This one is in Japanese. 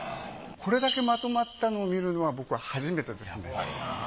これだけまとまったのを見るのは僕は初めてですね。